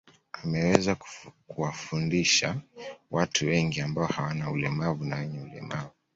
Ameweza kuwafundisha watu wengi ambao hawana ulemavu na wenye ulemavu